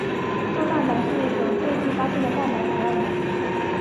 瘦蛋白是一种新近发现的蛋白质荷尔蒙。